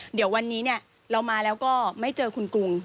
เดี๋ยววันนี้เรามาแล้วก็ไม่เจอคุณกรุง